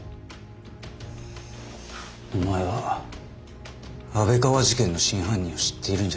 お前は安倍川事件の真犯人を知っているんじゃないのか。